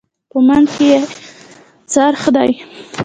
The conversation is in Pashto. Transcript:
په منځ کې یې څرخ دی.